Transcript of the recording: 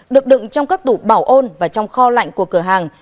được đựng trong các tủ bảo ôn và trong kho lạnh của cửa hàng